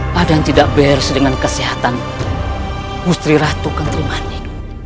padan tidak bers dengan kesehatan gustri ratu ketriman itu